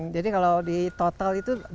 jadi kalau di total itu